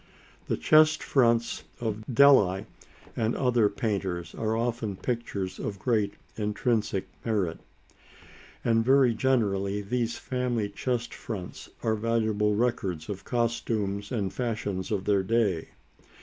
The chest fronts of Delli and other painters are often pictures of great intrinsic merit, and very generally these family chest fronts are valuable records of costumes and fashions of their day.